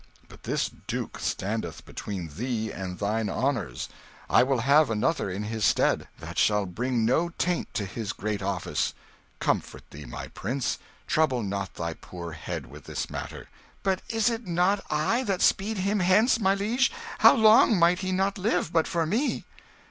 But this duke standeth between thee and thine honours: I will have another in his stead that shall bring no taint to his great office. Comfort thee, my prince: trouble not thy poor head with this matter." "But is it not I that speed him hence, my liege? How long might he not live, but for me?"